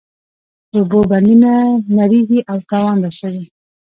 د اوبو بندونه نړیږي او تاوان رسوي.